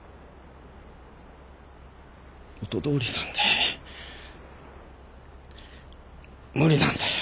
元どおりなんて無理なんだよ。